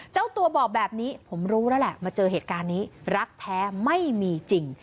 เจ้าตัวบอกแบบนี้ผมรู้แล้วแหละมาเจอเหตุการณ์นี้รักแท้ไม่มีจริง